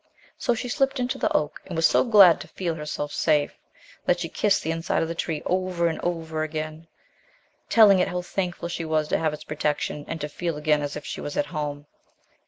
So she slipped into the oak, and 27 THE LOST DRYAD was so glad to feel herself safe that she kissed the inside of the tree, over and over again, telling it how thankful she was to have its protection, and to feel again as if she was at home.